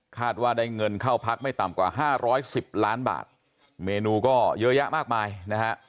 ว่าได้เงินเข้าพักไม่ต่ำกว่าห้าร้อยสิบล้านบาทเมนูก็เยอะแยะมากมายนะฮะ